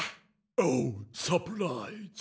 オサプライズ！